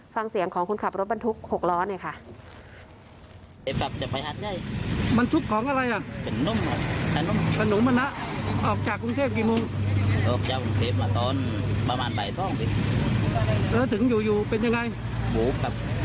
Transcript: ฟังเสียงของคุณขับรถบันทุกข์หกล้อนเลยค่ะ